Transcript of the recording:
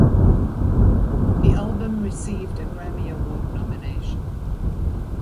The album received a Grammy Award nomination.